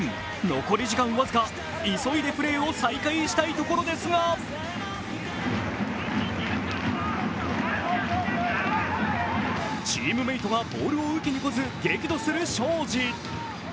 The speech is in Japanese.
残り時間僅か、急いでプレーを再開したいところですがチームメートがボールを受けに来ず激怒する昌子。